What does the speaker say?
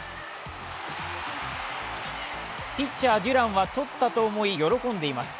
ピッチャー・デュランはとったと思い、喜んでいます。